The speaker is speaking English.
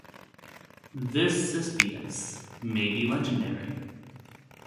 This Cispius may be legendary.